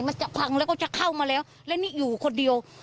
มันจะพังแล้วก็จะเข้ามาแล้วแล้วนี่อยู่คนเดียว